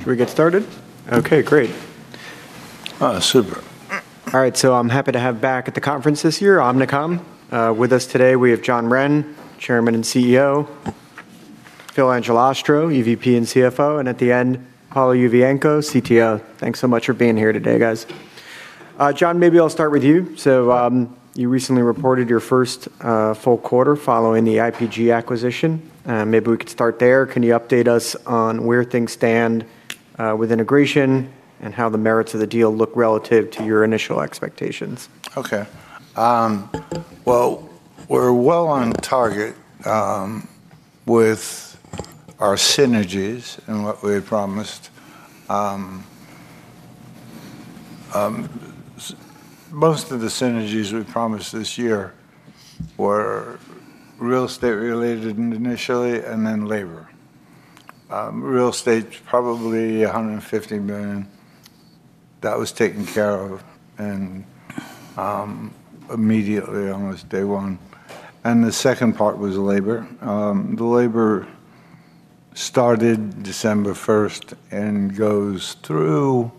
Should we get started? Okay, great. Super. All right, I'm happy to have back at the conference this year, Omnicom. With us today we have John Wren, Chairman and CEO, Phil Angelastro, EVP and CFO, and at the end, Paolo Yuvienco, CTO. Thanks so much for being here today, guys. John, maybe I'll start with you. You recently reported your first full quarter following the IPG acquisition, and maybe we could start there. Can you update us on where things stand with integration and how the merits of the deal look relative to your initial expectations? Okay. Well, we're well on target with our synergies and what we had promised. Most of the synergies we promised this year were real estate-related initially, and then labor. Real estate, probably $150 million. That was taken care of and immediately, almost day one. The second part was labor. The labor started December 1st and goes through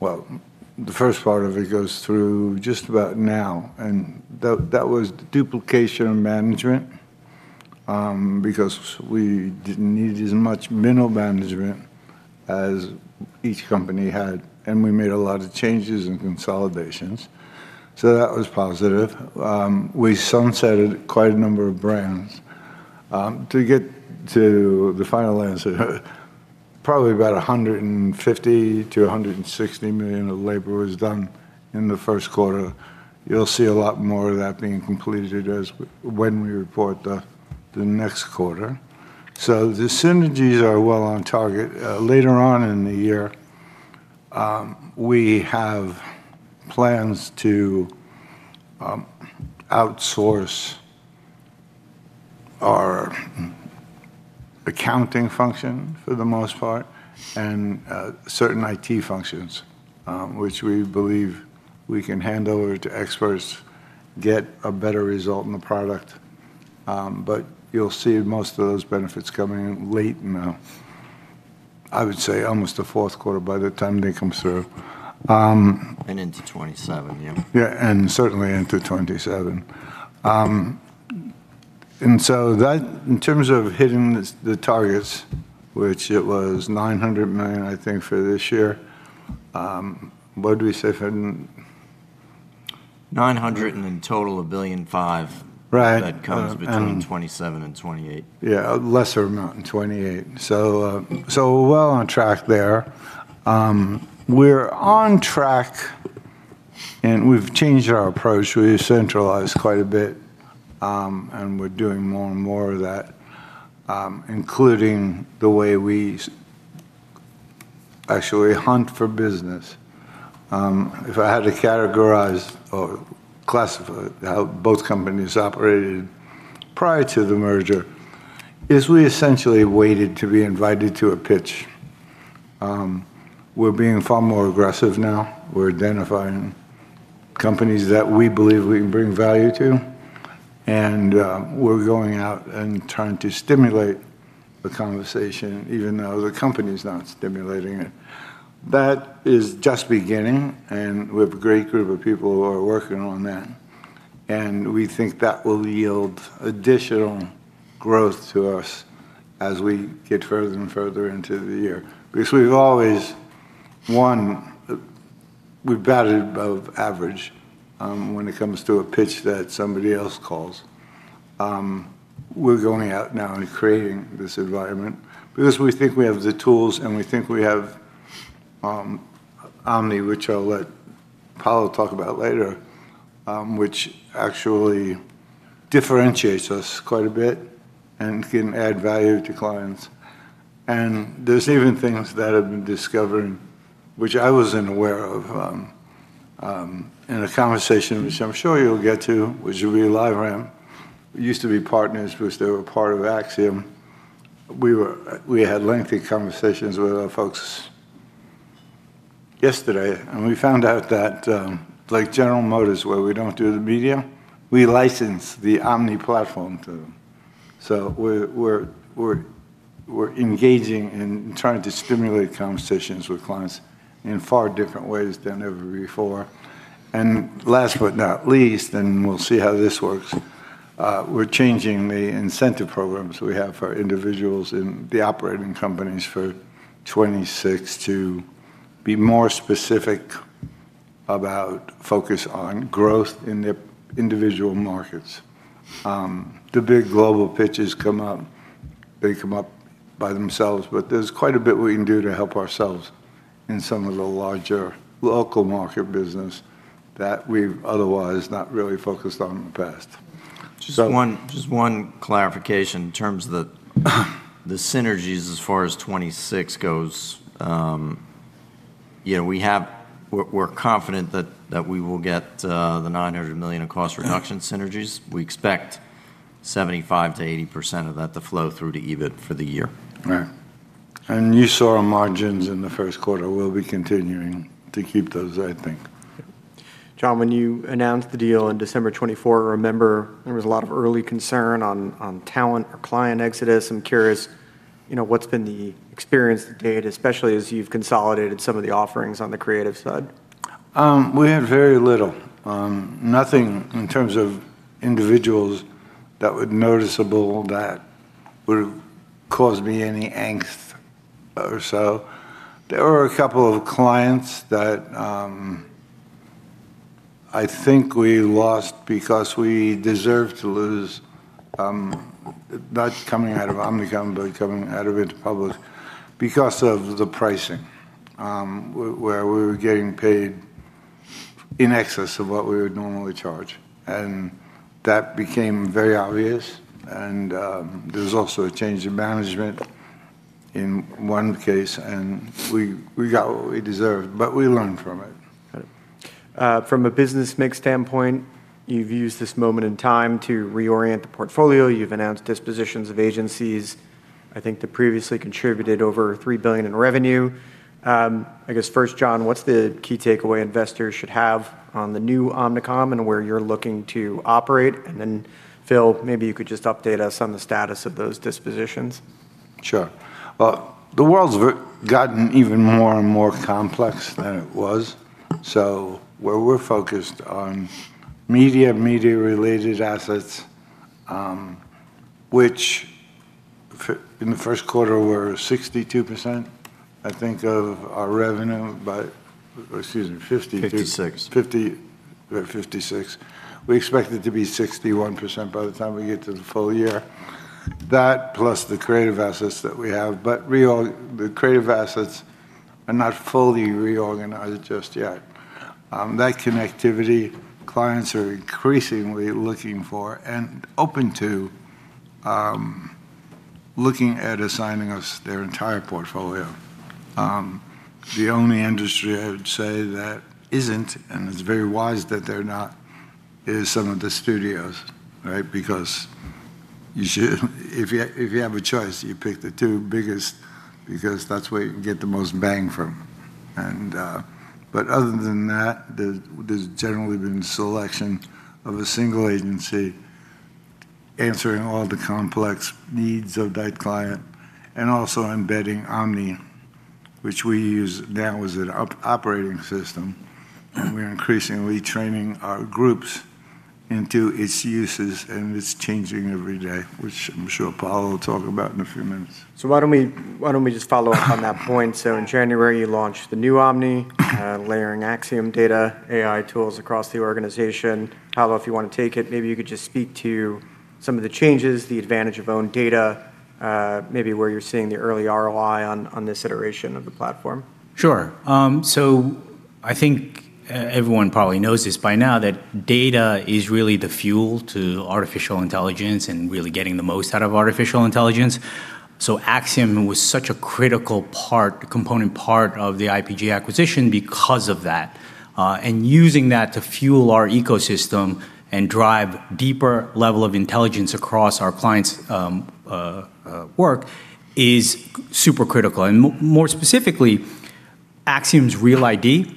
the first part of it goes through just about now, and that was the duplication of management because we didn't need as much middle management as each company had, and we made a lot of changes and consolidations. That was positive. We sunsetted quite a number of brands. To get to the final answer, probably about $150 million-$160 million of labor was done in the first quarter. You'll see a lot more of that being completed as when we report the next quarter. The synergies are well on target. Later on in the year, we have plans to outsource our accounting function for the most part and certain IT functions, which we believe we can hand over to experts, get a better result in the product. You'll see most of those benefits coming in late in the, I would say almost the fourth quarter by the time they come through. into 2027, yeah. Yeah, certainly into 2027. That, in terms of hitting the targets, which it was $900 million, I think, for this year, what did we say from? $900 million, and then total, $1 billion. Right that comes between 2027 and 2028. Yeah, a lesser amount in 2028. We're well on track there. We're on track, we've changed our approach. We've centralized quite a bit, we're doing more and more of that, including the way we actually hunt for business. If I had to categorize or classify how both companies operated prior to the merger, we essentially waited to be invited to a pitch. We're being far more aggressive now. We're identifying companies that we believe we can bring value to, we're going out and trying to stimulate the conversation even though the company's not stimulating it. That is just beginning, we have a great group of people who are working on that, we think that will yield additional growth to us as we get further and further into the year. We've always, one, we batted above average when it comes to a pitch that somebody else calls. We're going out now and creating this environment because we think we have the tools, and we think we have Omni, which I'll let Paolo talk about later, which actually differentiates us quite a bit and can add value to clients. There's even things that have been discovered which I wasn't aware of in a conversation which I'm sure you'll get to, which will be LiveRamp. We used to be partners because they were part of Acxiom. We were, we had lengthy conversations with our folks yesterday, and we found out that like General Motors, where we don't do the media, we license the Omni platform to them. We're engaging and trying to stimulate conversations with clients in far different ways than ever before. Last but not least, and we'll see how this works, we're changing the incentive programs we have for individuals in the operating companies for 2026 to be more specific about focus on growth in their individual markets. The big global pitches come up, they come up by themselves, but there's quite a bit we can do to help ourselves in some of the larger local market business that we've otherwise not really focused on in the past. Just one clarification in terms of the synergies as far as 2026 goes. You know, we're confident that we will get the $900 million in cost reduction synergies. We expect 75%-80% of that to flow through to EBIT for the year. Right. You saw our margins in the first quarter. We'll be continuing to keep those, I think. John, when you announced the deal on December 24th, I remember there was a lot of early concern on talent or client exodus. I'm curious, you know, what's been the experience to date, especially as you've consolidated some of the offerings on the creative side? We have very little. Nothing in terms of individuals that were noticeable that would cause me any angst or so. There were a couple of clients that I think we lost because we deserved to lose, not coming out of Omnicom, but coming out of Interpublic, because of the pricing, where we were getting paid in excess of what we would normally charge. That became very obvious. There was also a change in management in one case, and we got what we deserved, but we learned from it. Got it. From a business mix standpoint, you've used this moment in time to reorient the portfolio. You've announced dispositions of agencies, I think that previously contributed over $3 billion in revenue. I guess first, John, what's the key takeaway investors should have on the new Omnicom and where you're looking to operate? Then Phil, maybe you could just update us on the status of those dispositions. Sure. Well, the world's gotten even more and more complex than it was. Where we're focused on media-related assets, which in the first quarter were 62%, I think, of our revenue. Or excuse me, 52%. 56% 50%, 56%. We expect it to be 61% by the time we get to the full year. That, plus the creative assets that we have. The creative assets are not fully reorganized just yet. That connectivity, clients are increasingly looking for and open to, looking at assigning us their entire portfolio. The only industry I would say that isn't, and it's very wise that they're not, is some of the studios, right? If you have a choice, you pick the two biggest, because that's where you can get the most bang for them. Other than that, there's generally been selection of a single agency answering all the complex needs of that client, and also embedding Omni, which we use now as an operating system, and we're increasingly training our groups into its uses, and it's changing every day, which I'm sure Paolo will talk about in a few minutes. Why don't we just follow up on that point. In January, you launched the new Omni, layering Acxiom data, AI tools across the organization. Paolo, if you wanna take it, maybe you could just speak to some of the changes, the advantage of own data, maybe where you're seeing the early ROI on this iteration of the platform. Sure. I think everyone probably knows this by now, that data is really the fuel to artificial intelligence and really getting the most out of artificial intelligence. Acxiom was such a critical part, component part of the IPG acquisition because of that. Using that to fuel our ecosystem and drive deeper level of intelligence across our clients' work is super critical. More specifically, Acxiom's RealID,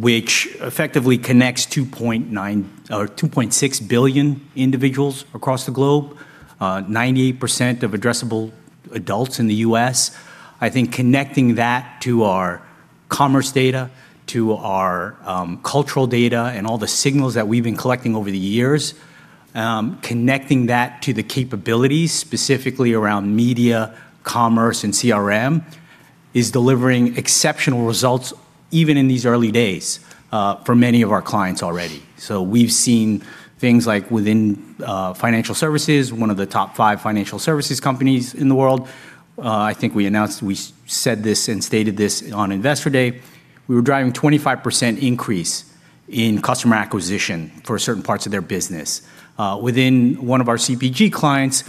which effectively connects 2.9 or 2.6 billion individuals across the globe, 98% of addressable adults in the U.S. I think connecting that to our commerce data, to our cultural data, and all the signals that we've been collecting over the years, connecting that to the capabilities, specifically around media, commerce, and CRM, is delivering exceptional results even in these early days for many of our clients already. We've seen things like within financial services, one of the top five financial services companies in the world, I think we announced, we said this and stated this on Investor Day, we were driving 25% increase in customer acquisition for certain parts of their business. Within one of our CPG clients,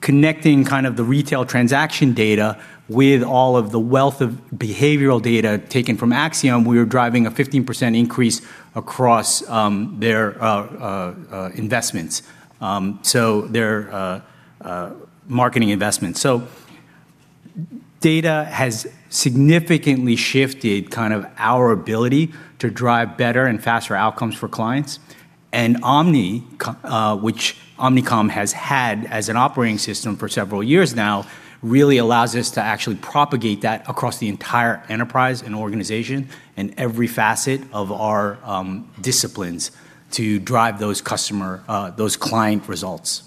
connecting kind of the retail transaction data with all of the wealth of behavioral data taken from Acxiom, we were driving a 15% increase across their investments, so their marketing investments. Data has significantly shifted kind of our ability to drive better and faster outcomes for clients. Omni, which Omnicom has had as an operating system for several years now, really allows us to actually propagate that across the entire enterprise and organization and every facet of our disciplines to drive those customer, those client results.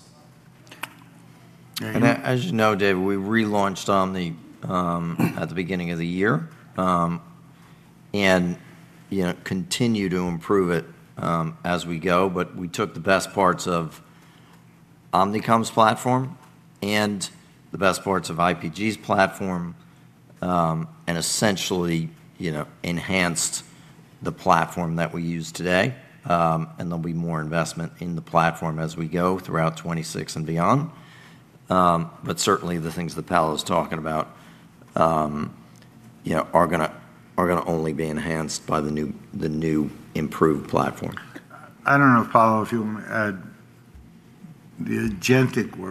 All right. As you know, Dave, we relaunched Omni at the beginning of the year, and, you know, continue to improve it as we go. We took the best parts of Omnicom's platform and the best parts of IPG's platform, and essentially, you know, enhanced the platform that we use today. There'll be more investment in the platform as we go throughout 2026 and beyond. Certainly the things that Paolo's talking about, you know, are gonna only be enhanced by the new, the new improved platform. I don't know, Paolo, if you want to add.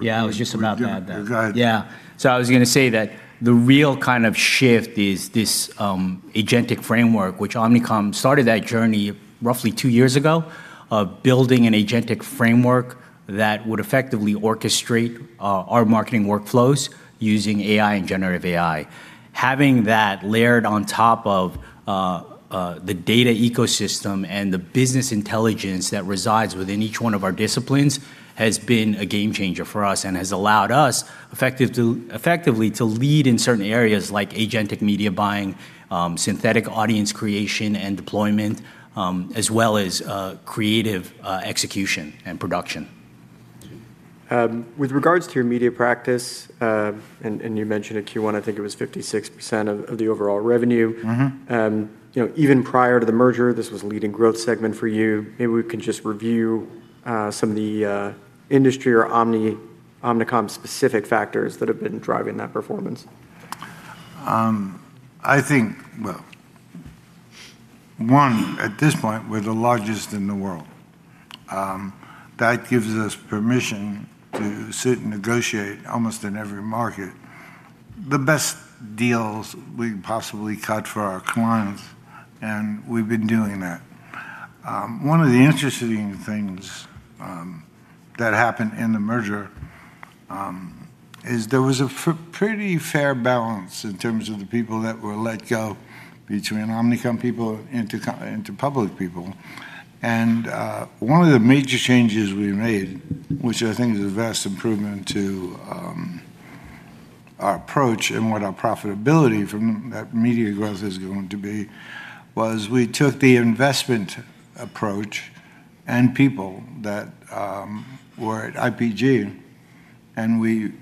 Yeah, I was just about to add that. Go ahead. I was gonna say that the real kind of shift is this agentic framework, which Omnicom started that journey roughly two years ago, of building an agentic framework that would effectively orchestrate our marketing workflows using AI and generative AI. Having that layered on top of the data ecosystem and the business intelligence that resides within each one of our disciplines has been a game changer for us, and has allowed us effectively to lead in certain areas like agentic media buying, synthetic audience creation and deployment, as well as creative execution and production. With regards to your media practice, and you mentioned at Q1 I think it was 56% of the overall revenue. You know, even prior to the merger, this was a leading growth segment for you. Maybe we can just review some of the industry or Omnicom specific factors that have been driving that performance. I think, well, one, at this point we're the largest in the world. That gives us permission to sit and negotiate almost in every market the best deals we can possibly cut for our clients, and we've been doing that. One of the interesting things that happened in the merger is there was a pretty fair balance in terms of the people that were let go between Omnicom people Interpublic people. One of the major changes we made, which I think is a vast improvement to our approach and what our profitability from that media growth is going to be, was we took the investment approach and people that were at IPG and we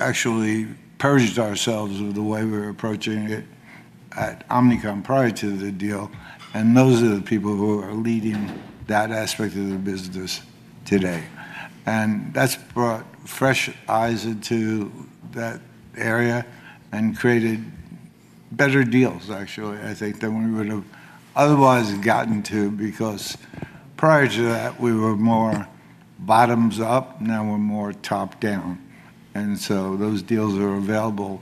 actually purged ourselves of the way we were approaching it at Omnicom prior to the deal, and those are the people who are leading that aspect of the business today. That's brought fresh eyes into that area and created better deals actually, I think, than we would've otherwise gotten to. Prior to that we were more bottoms up, now we're more top down. Those deals are available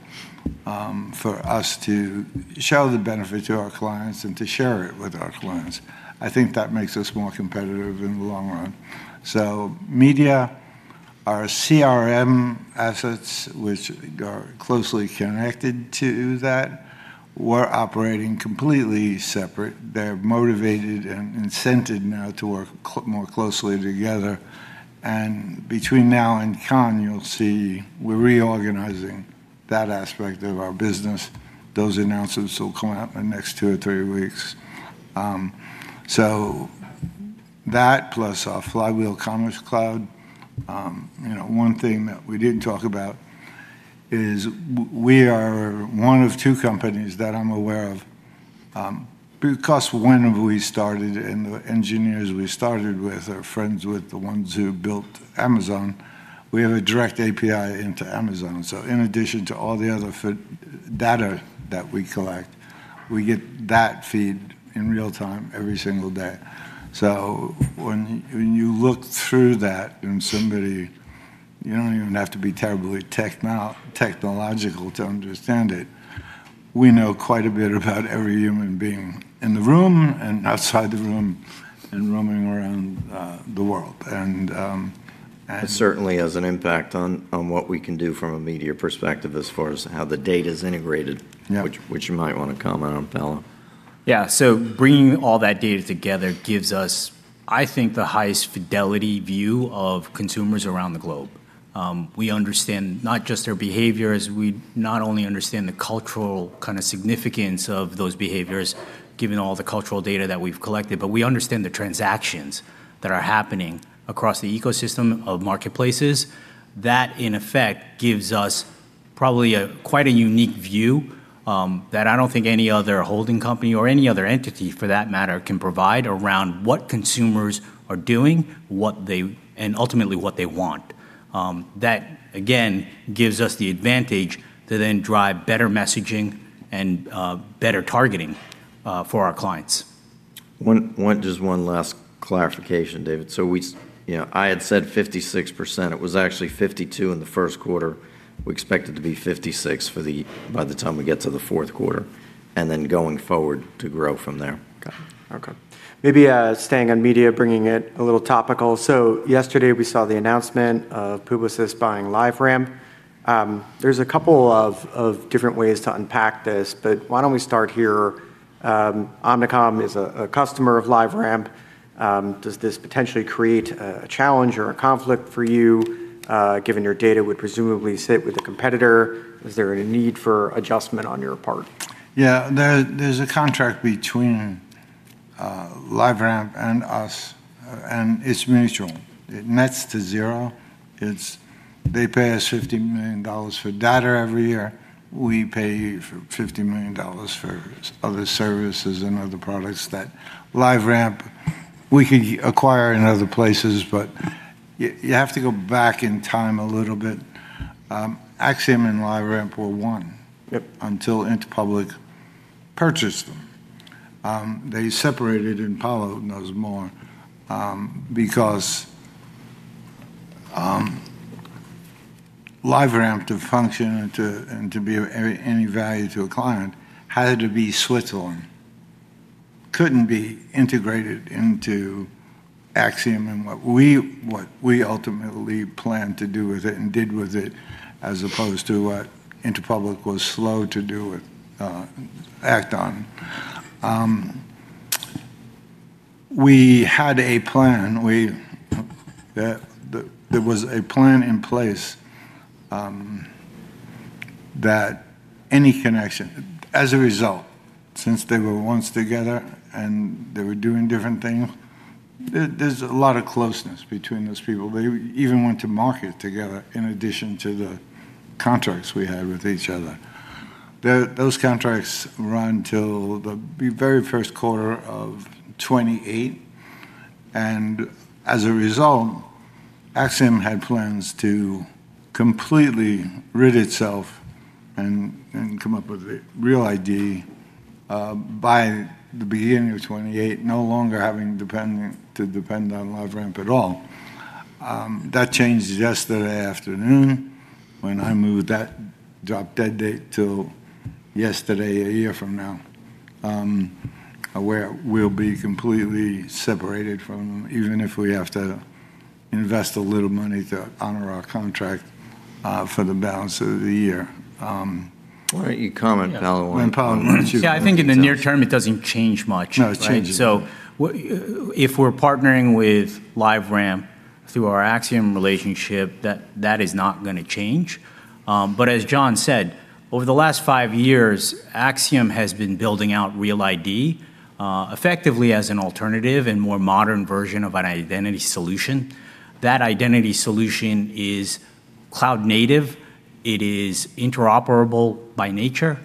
for us to show the benefit to our clients and to share it with our clients. I think that makes us more competitive in the long run. Media, our CRM assets, which are closely connected to that, were operating completely separate. They're motivated and incented now to work more closely together. Between now and Cannes you'll see we're reorganizing that aspect of our business. Those announcements will come out in the next two or three weeks. That plus our Flywheel Commerce Cloud. You know, one thing that we didn't talk about is we are one of two companies that I'm aware of, because when we started and the engineers we started with are friends with the ones who built Amazon, we have a direct API into Amazon. In addition to all the other data that we collect, we get that feed in real time every single day. When you look through that and somebody, you don't even have to be terribly technological to understand it, we know quite a bit about every human being in the room and outside the room and roaming around the world. It certainly has an impact on what we can do from a media perspective as far as how the data is integrated. Yeah which you might wanna comment on, Paolo. Bringing all that data together gives us, I think, the highest fidelity view of consumers around the globe. We understand not just their behaviors, we not only understand the cultural kind of significance of those behaviors given all the cultural data that we've collected, but we understand the transactions that are happening across the ecosystem of marketplaces. That in effect gives us probably a quite a unique view, that I don't think any other holding company or any other entity for that matter can provide around what consumers are doing, and ultimately what they want. That again gives us the advantage to then drive better messaging and better targeting for our clients. One just one last clarification, David. You know, I had said 56%, it was actually 52% in the first quarter. We expect it to be 56% by the time we get to the fourth quarter, going forward to grow from there. Okay. Okay. Maybe, staying on media, bringing it a little topical. Yesterday we saw the announcement of Publicis buying LiveRamp. There's a couple of different ways to unpack this, but why don't we start here. Omnicom is a customer of LiveRamp. Does this potentially create a challenge or a conflict for you, given your data would presumably sit with a competitor? Is there a need for adjustment on your part? Yeah. There's a contract between LiveRamp and us and it's mutual. It nets to zero. It's they pay us $50 million for data every year, we pay $50 million for other services and other products that LiveRamp, we can acquire in other places. You have to go back in time a little bit. Acxiom and LiveRamp were one- Yep until Interpublic purchased them. They separated, Paolo knows more, because LiveRamp to function and to be of any value to a client had to be Switzerland. Couldn't be integrated into Acxiom and what we ultimately planned to do with it and did with it, as opposed to what Interpublic was slow to do with Acxiom. We had a plan. There was a plan in place that any connection as a result, since they were once together and they were doing different things, there's a lot of closeness between those people. They even went to market together in addition to the contracts we had with each other. Those contracts run till the very first quarter of 2028, and as a result, Acxiom had plans to completely rid itself and come up with a RealID by the beginning of 2028, no longer having to depend on LiveRamp at all. That changed yesterday afternoon when I moved that drop dead date to yesterday a year from now, where we'll be completely separated from them, even if we have to invest a little money to honor our contract for the balance of the year. Why don't you comment, Paolo? When Paolo wants you. Yeah, I think in the near term it doesn't change much, right? No, it's changing. If we're partnering with LiveRamp through our Acxiom relationship, that is not gonna change. As John said, over the last five years, Acxiom has been building out RealID, effectively as an alternative and more modern version of an identity solution. That identity solution is cloud native. It is interoperable by nature,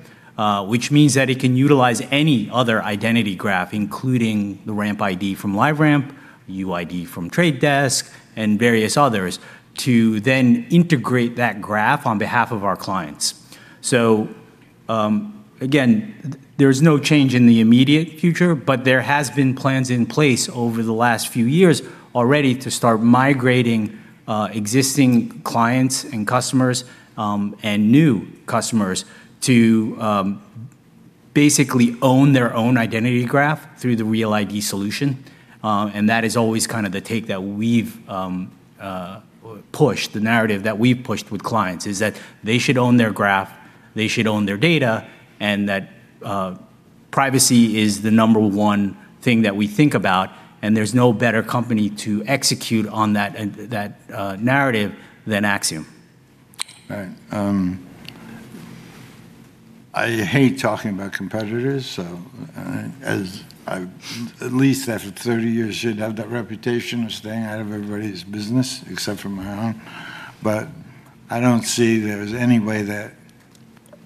which means that it can utilize any other identity graph, including the RampID from LiveRamp, UID from The Trade Desk, and various others, to then integrate that graph on behalf of our clients. Again, there's no change in the immediate future, but there has been plans in place over the last few years already to start migrating existing clients and customers and new customers to basically own their own identity graph through the RealID solution. That is always kind of the take that we've pushed, the narrative that we've pushed with clients, is that they should own their graph, they should own their data, and that privacy is the number one thing that we think about, and there's no better company to execute on that and that narrative than Acxiom. Right. I hate talking about competitors, as I, at least after 30 years should have that reputation of staying out of everybody's business except for my own. I don't see there's any way that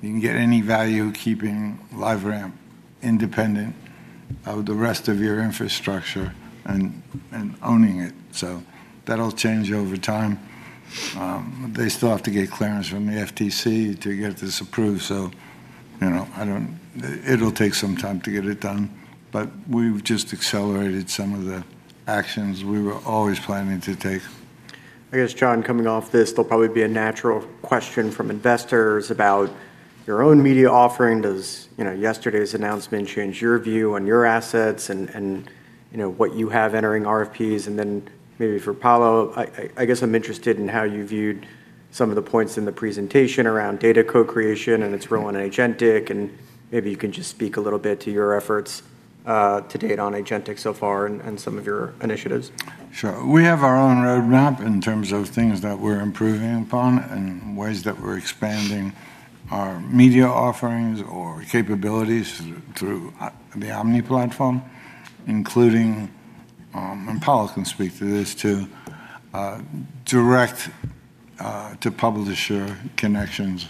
you can get any value keeping LiveRamp independent of the rest of your infrastructure and owning it. That'll change over time. They still have to get clearance from the FTC to get this approved, you know, It'll take some time to get it done. We've just accelerated some of the actions we were always planning to take. I guess, John, coming off this, there'll probably be a natural question from investors about your own media offering. Does, you know, yesterday's announcement change your view on your assets and, you know, what you have entering RFPs? Maybe for Paolo, I guess I'm interested in how you viewed some of the points in the presentation around data co-creation and its role in agentic, and maybe you can just speak a little bit to your efforts to date on agentic so far and some of your initiatives. Sure. We have our own roadmap in terms of things that we're improving upon and ways that we're expanding our media offerings or capabilities through the Omni platform, including, and Paolo can speak to this too, direct to publisher connections,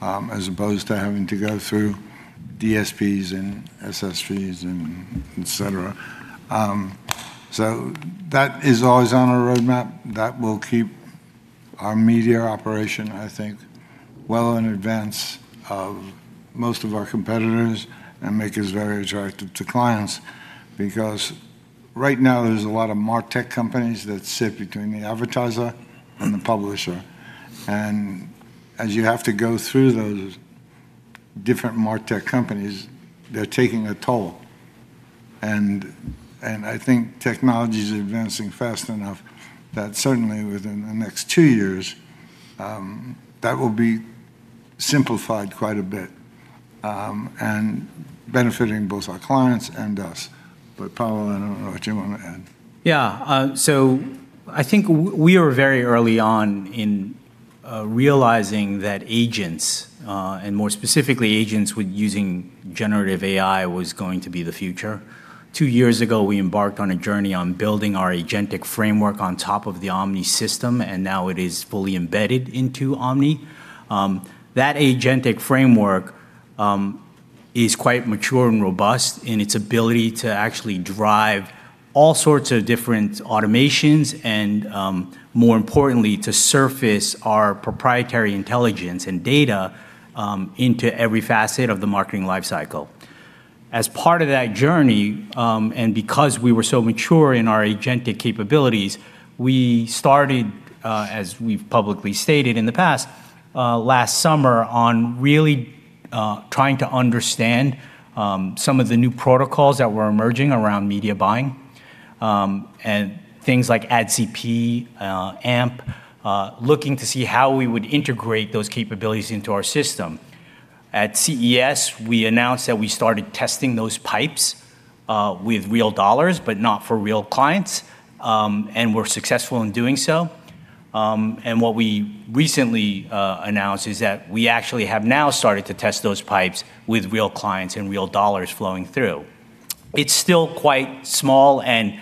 as opposed to having to go through DSPs and SSPs and et cetera. That is always on our roadmap. That will keep our media operation, I think, well in advance of most of our competitors and make us very attractive to clients. Because right now there's a lot of martech companies that sit between the advertiser and the publisher, and as you have to go through those different martech companies, they're taking a toll. I think technology's advancing fast enough that certainly within the next two years, that will be simplified quite a bit, and benefiting both our clients and us. Paolo, I don't know what you want to add. Yeah. I think we were very early on in realizing that agents, and more specifically agents with using generative AI was going to be the future. Two years ago, we embarked on a journey on building our agentic framework on top of the Omni system, and now it is fully embedded into Omni. That agentic framework is quite mature and robust in its ability to actually drive all sorts of different automations and, more importantly, to surface our proprietary intelligence and data into every facet of the marketing life cycle. As part of that journey, because we were so mature in our agentic capabilities, we started, as we've publicly stated in the past, last summer on really trying to understand some of the new protocols that were emerging around media buying, and things like AdCP, AMP, looking to see how we would integrate those capabilities into our system. At CES, we announced that we started testing those pipes with real dollars, but not for real clients, and were successful in doing so. What we recently announced is that we actually have now started to test those pipes with real clients and real dollars flowing through. It's still quite small and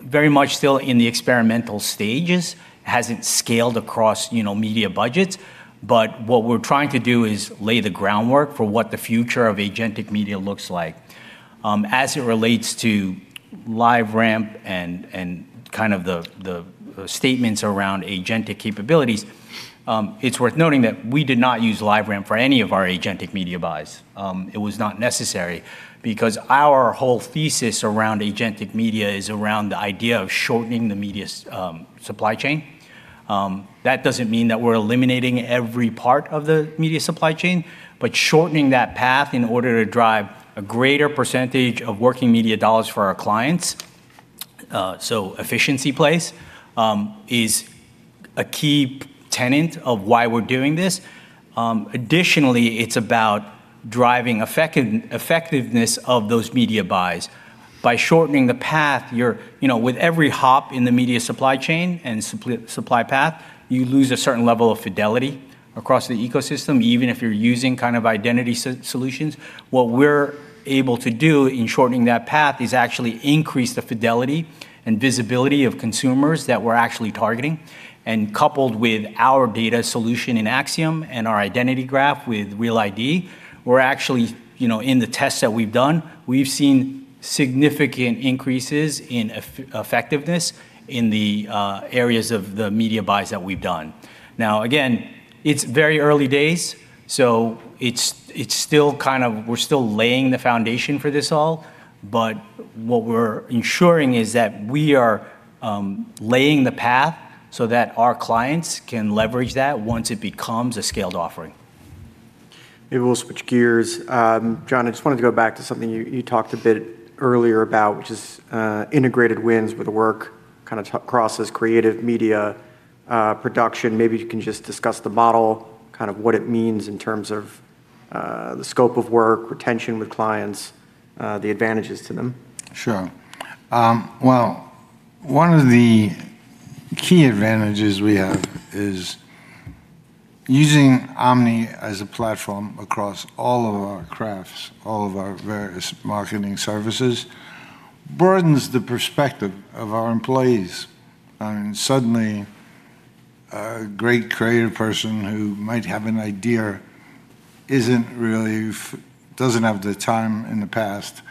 very much still in the experimental stages, hasn't scaled across, you know, media budgets, but what we're trying to do is lay the groundwork for what the future of agentic media looks like. As it relates to LiveRamp and kind of the statements around agentic capabilities, it's worth noting that we did not use LiveRamp for any of our agentic media buys. It was not necessary because our whole thesis around agentic media is around the idea of shortening the media supply chain. That doesn't mean that we're eliminating every part of the media supply chain, but shortening that path in order to drive a greater percentage of working media dollars for our clients. Efficiency place is a key tenant of why we're doing this. Additionally, it's about driving effectiveness of those media buys. By shortening the path, You know, with every hop in the media supply chain and supply path, you lose a certain level of fidelity across the ecosystem, even if you're using kind of identity solutions. What we're able to do in shortening that path is actually increase the fidelity and visibility of consumers that we're actually targeting, and coupled with our data solution in Acxiom and our identity graph with RealID, we're actually, you know, in the tests that we've done, we've seen significant increases in effectiveness in the areas of the media buys that we've done. Now again, it's very early days, so it's still kind of we're still laying the foundation for this all. What we're ensuring is that we are laying the path so that our clients can leverage that once it becomes a scaled offering. Maybe we'll switch gears. John, I just wanted to go back to something you talked a bit earlier about, which is integrated wins with the work, kind of crosses creative media, production. Maybe you can just discuss the model, kind of what it means in terms of the scope of work, retention with clients, the advantages to them. Sure. Well, one of the key advantages we have is using Omni as a platform across all of our crafts, all of our various marketing services, broadens the perspective of our employees. Suddenly, a great creative person who might have an idea doesn't have the time in the past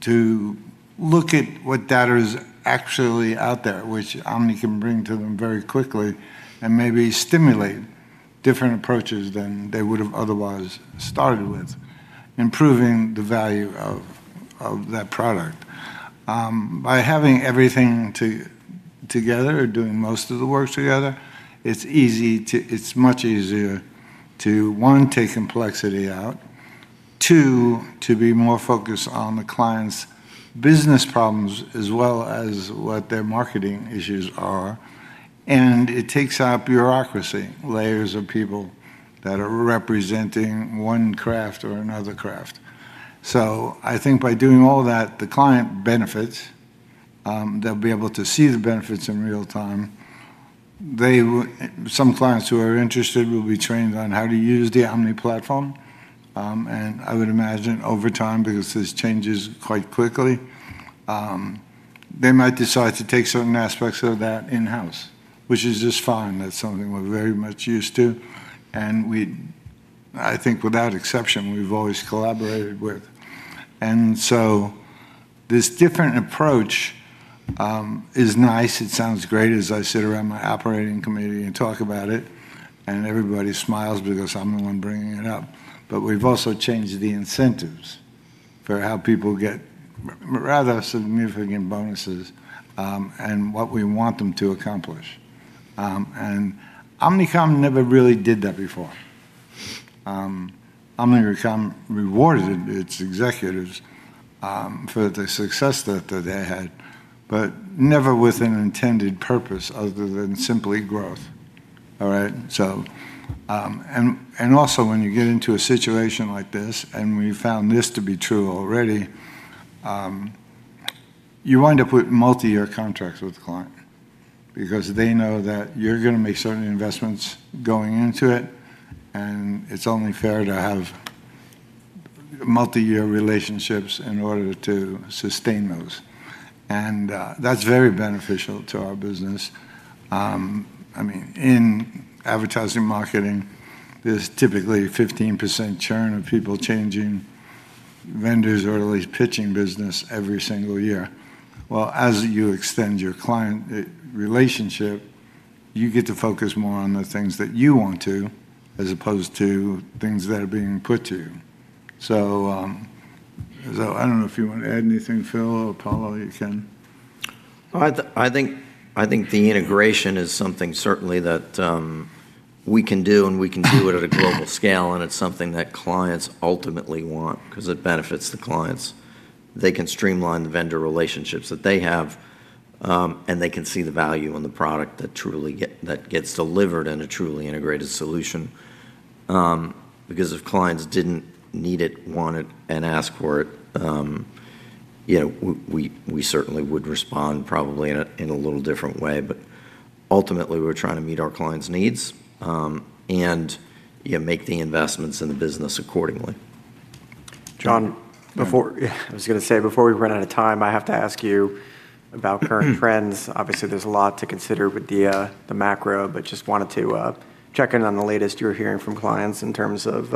to look at what data is actually out there, which Omni can bring to them very quickly and maybe stimulate different approaches than they would've otherwise started with, improving the value of that product. By having everything together or doing most of the work together, it's much easier to, one, take complexity out. Two, to be more focused on the client's business problems as well as what their marketing issues are. It takes out bureaucracy, layers of people that are representing one craft or another craft. I think by doing all that, the client benefits, they'll be able to see the benefits in real time. Some clients who are interested will be trained on how to use the Omni platform. I would imagine over time, because this changes quite quickly, they might decide to take certain aspects of that in-house, which is just fine. That's something we're very much used to and we, I think without exception, we've always collaborated with. This different approach is nice. It sounds great as I sit around my operating committee and talk about it, and everybody smiles because I'm the one bringing it up. We've also changed the incentives for how people get rather significant bonuses and what we want them to accomplish. Omnicom never really did that before. Omnicom rewarded its executives for the success that they had, but never with an intended purpose other than simply growth. All right. Also when you get into a situation like this, and we found this to be true already, you wind up with multi-year contracts with the client because they know that you're gonna make certain investments going into it, and it's only fair to have multi-year relationships in order to sustain those. That's very beneficial to our business. I mean, in advertising marketing, there's typically a 15% churn of people changing. Vendors are always pitching business every single year. Well, as you extend your client relationship, you get to focus more on the things that you want to, as opposed to things that are being put to you. I don't know if you wanna add anything, Philip or Paolo, you can. I think the integration is something certainly that we can do. We can do it at a global scale. It's something that clients ultimately want, 'cause it benefits the clients. They can streamline the vendor relationships that they have. They can see the value in the product that truly gets delivered in a truly integrated solution. If clients didn't need it, want it, and ask for it, you know, we certainly would respond probably in a, in a little different way. Ultimately we're trying to meet our clients' needs, you know, make the investments in the business accordingly. John- Yeah before Yeah, I was gonna say, before we run out of time, I have to ask you about current trends. Obviously, there's a lot to consider with the macro, just wanted to check in on the latest you're hearing from clients in terms of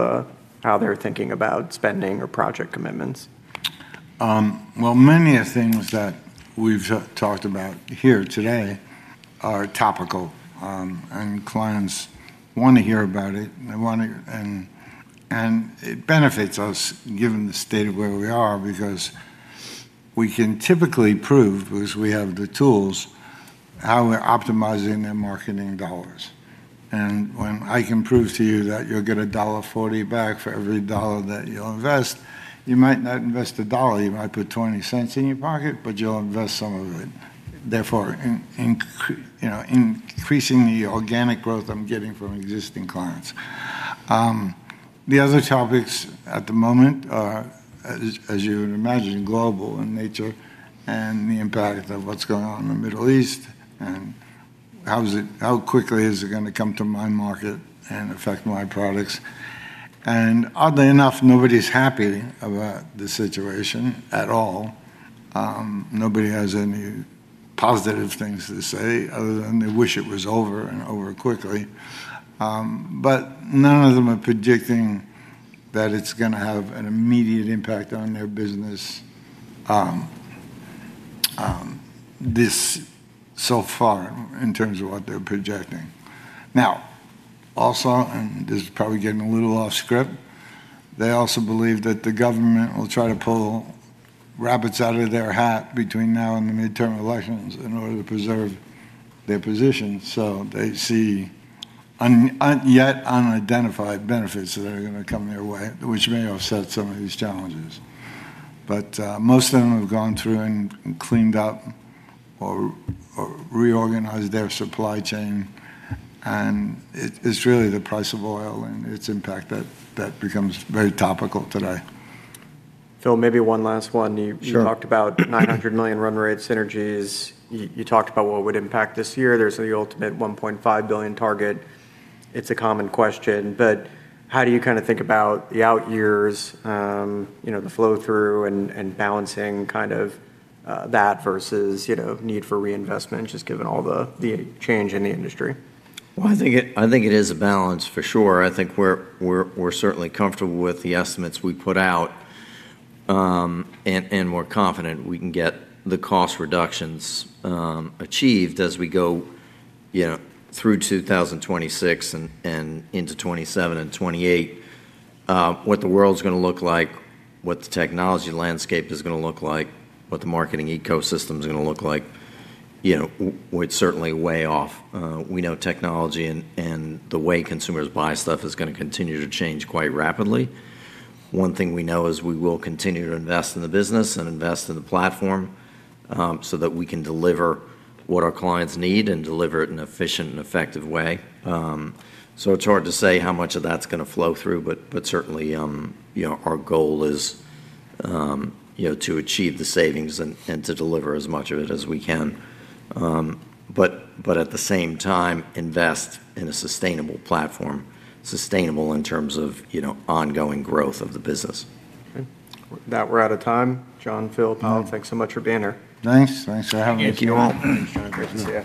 how they're thinking about spending or project commitments. Well, many of things that we've talked about here today are topical. Clients wanna hear about it, and it benefits us, given the state of where we are, because we can typically prove, because we have the tools, how we're optimizing their marketing dollars. When I can prove to you that you'll get $1.40 back for every dollar that you'll invest, you might not invest a dollar, you might put $0.20 in your pocket, but you'll invest some of it. Therefore, you know, increasing the organic growth I'm getting from existing clients. The other topics at the moment are, as you would imagine, global in nature and the impact of what's going on in the Middle East, and how quickly is it gonna come to my market and affect my products. Oddly enough, nobody's happy about the situation at all. Nobody has any positive things to say other than they wish it was over quickly. None of them are predicting that it's gonna have an immediate impact on their business, this, so far in terms of what they're projecting. Now, also, this is probably getting a little off script, they also believe that the government will try to pull rabbits out of their hat between now and the midterm elections in order to preserve their position, so they see yet unidentified benefits that are gonna come their way, which may offset some of these challenges. Most of them have gone through and cleaned up or reorganized their supply chain, and it's really the price of oil and its impact that becomes very topical today. Phil, maybe one last one. Sure. You talked about $900 million run rate synergies. You talked about what would impact this year. There's the ultimate $1.5 billion target. It's a common question, but how do you kinda think about the out years, you know, the flow through and balancing kind of that versus, you know, need for reinvestment, just given all the change in the industry? Well, I think it is a balance for sure. I think we're certainly comfortable with the estimates we put out, and we're confident we can get the cost reductions achieved as we go, you know, through 2026 and into 2027 and 2028. What the world's gonna look like, what the technology landscape is gonna look like, what the marketing ecosystem's gonna look like, you know, we're certainly way off. We know technology and the way consumers buy stuff is gonna continue to change quite rapidly. One thing we know is we will continue to invest in the business and invest in the platform, so that we can deliver what our clients need and deliver it in a efficient and effective way. It's hard to say how much of that's gonna flow through, but certainly, you know, our goal is, you know, to achieve the savings and to deliver as much of it as we can. But at the same time, invest in a sustainable platform. Sustainable in terms of, you know, ongoing growth of the business. Okay. With that, we're out of time. John, Phil, Paolo thanks so much for being here. Thanks. Thanks for having us. Thank you all. Great to see you.